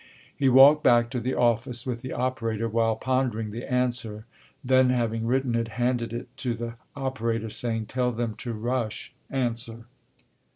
He walked back to the office with the operator while pondering the answer, then having written it, handed it to the operator saying, "Tell them to rush answer."